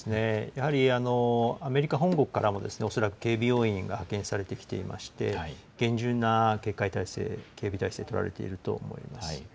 やはり、アメリカ本国からも恐らく警備要員が派遣されてきていまして、厳重な警戒態勢、警備態勢取られていると思います。